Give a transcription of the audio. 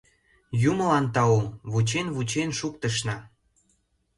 — Юмылан тау, вучен-вучен шуктышна...